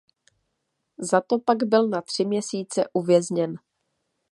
Za to pak byl na tři měsíce uvězněn.